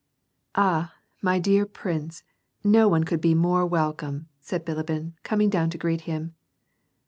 "Ah ! my dear prince, no one could be more welcome," said Bilibin, coming down to greet him.